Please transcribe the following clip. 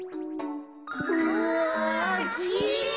うわきれい！